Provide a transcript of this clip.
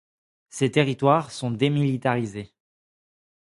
Ces territoires sont démilitarisés.